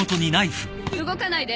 動かないで！